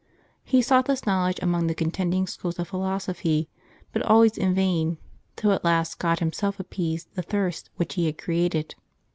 He sought this knowledge among the contending schools of philosophy, but always in vain, till at last God himself appeased the thirst which He had created.